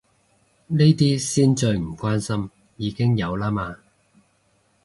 呢啲先最唔關心，已經有啦嘛